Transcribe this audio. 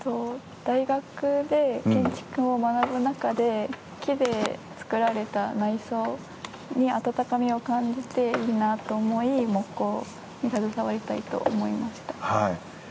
大学で、建築を学ぶ中で木で作られた内装に温かみを感じて、いいなと思い木工に携わりたいと思いました。